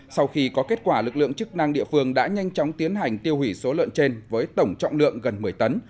sau khi có kết quả lực lượng chức năng địa phương đã nhanh chóng tiến hành tiêu hủy số lợn trên với tổng trọng lượng gần một mươi tấn